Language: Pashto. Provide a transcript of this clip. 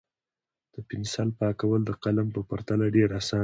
د پنسل پاکول د قلم په پرتله ډېر اسانه وي.